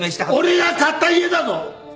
俺が買った家だぞ！